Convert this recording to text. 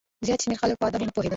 زیات شمېر خلک په آدابو نه پوهېدل.